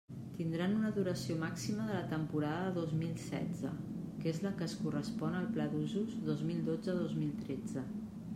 Tindran una duració màxima de la temporada dos mil setze, que és la que es correspon al Pla d'Usos dos mil dotze dos mil setze.